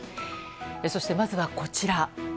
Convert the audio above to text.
そして、まずはこちら。